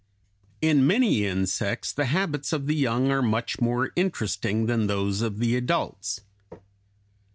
] In many insects the habits of the young are much more interesting than those of the adults.